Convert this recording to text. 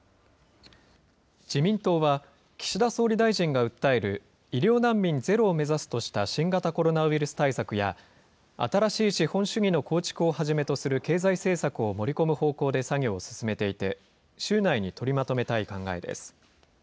自民党は、岸田総理大臣が訴える医療難民ゼロを目指すとした新型コロナウイルス対策や、新しい資本主義の構築をはじめとする経済政策を盛り込む方向で作業を進めていて、週内に取りまとめたい考えです。